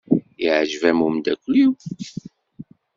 Iɛjeb-am umeddakel-iw?